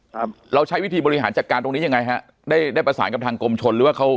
ครับเราใช้วิธีบริหารจัดการตรงนี้ยังไงฮะได้ได้ประสานกับทางกรมชนหรือว่าเขา